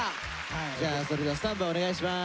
それではスタンバイお願いします。